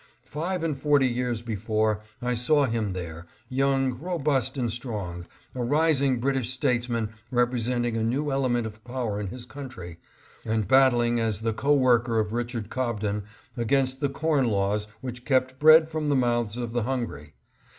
Five and forty years before, I saw him there, young, robust and strong ; a rising British statesman representing a new element of power in his country, and battling as the co worker of Richard Cobden, against the corn laws which kept bread from the mouths of the hungry.